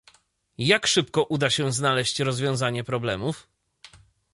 Jak szybko uda się znaleźć rozwiązanie problemów?